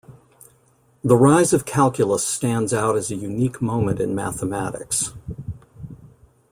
The rise of calculus stands out as a unique moment in mathematics.